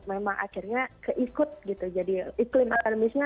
memang akhirnya keikut gitu jadi pic talents medesnya kompetitifnya kompetisinya itu sangat